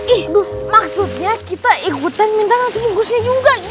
ih maksudnya kita ikutan minta nasi bungkusnya juga